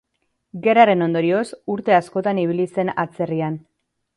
Gerraren ondorioz, urte askotan ibili zen atzerrian.